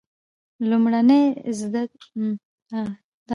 لومړنۍ زده کړې یې له کورنۍ او سیمې عالمانو څخه وکړې.